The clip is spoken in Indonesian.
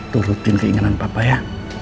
turutin keinginan papa ya